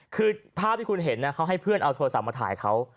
คือภาพที่คุณเห็นเขาให้เพื่อนเอาโทรศัพท์มาถ่ายเขา